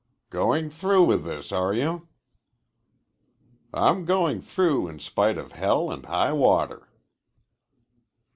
"Going through with this, are you?" "I'm goin' through in spite of hell and high water."